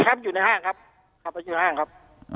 ครับอยู่ในห้างครับ